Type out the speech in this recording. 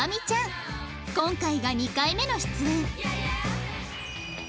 今回が２回目の出演